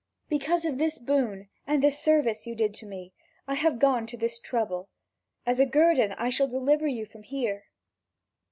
Because of this boon and this service you did me, I have gone to this trouble. As a guerdon I shall deliver you from here."